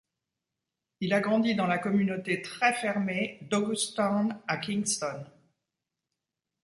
Il a grandi dans la communauté très fermée d’August Town à Kingston.